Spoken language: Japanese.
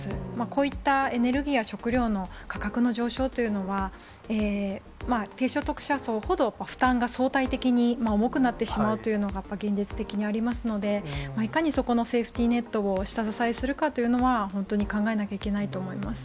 こういったエネルギーや食料の価格の上昇というのは、低所得者層ほど負担が相対的に重くなってしまうというのが、やっぱり現実的にありますので、いかにそこのセーフティーネットを下支えするかというのは、本当に考えなきゃいけないと思います。